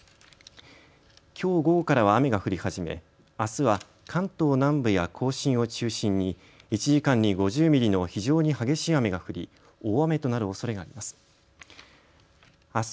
きょう午後からは雨が降り始め、あすは関東南部や甲信を中心に１時間に５０ミリの非常に激しい雨が降り大雨となるおそれがあります。